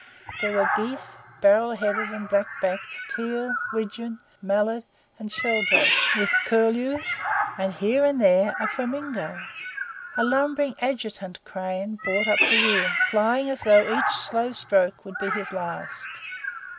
There were geese, barrel headed and black backed, teal, widgeon, mallard, and sheldrake, with curlews, and here and there a flamingo. A lumbering Adjutant crane brought up the rear, flying as though each slow stroke would be his last.